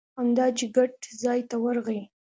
همدا چې ګټ ځای ته ورغی.